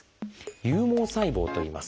「有毛細胞」といいます。